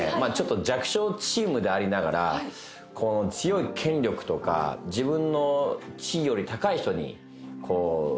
弱小チームでありながら強い権力とか自分の地位より高い人にこう向かって。